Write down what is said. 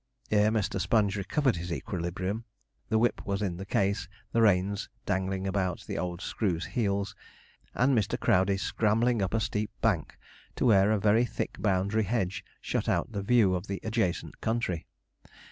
Ere Mr. Sponge recovered his equilibrium, the whip was in the case, the reins dangling about the old screw's heels, and Mr. Crowdey scrambling up a steep bank to where a very thick boundary hedge shut out the view of the adjacent country.